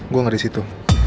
gue gak di situ